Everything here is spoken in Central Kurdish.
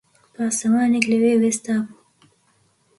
پاسەوانێک لەوێ وێستابوو